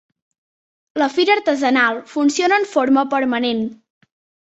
La Fira Artesanal funciona en forma permanent.